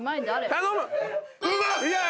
頼む。